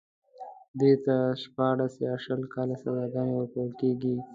دوی ته شپاړس يا شل کاله سزاګانې ورکول کېږي.